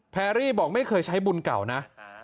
แพรรี่บอกไม่เคยใช้บุญเก่านะ